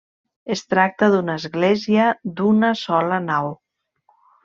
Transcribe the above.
Es tracta d'una església d'una sola nau.